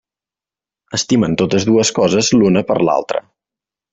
Estimen totes dues coses l'una per l'altra.